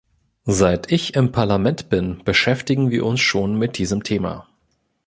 Seit ich im Parlament bin, beschäftigen wir uns schon mit diesem Thema.